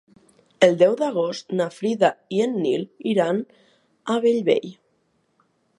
El deu d'agost na Frida i en Nil iran a Bellvei.